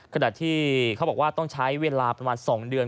ขณะที่เขาบอกว่าต้องใช้เวลาประมาณ๒เดือน